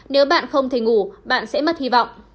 nếu bạn không thể ngủ bạn sẽ mất hy vọng